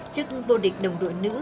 trước vô địch đồng đội nữ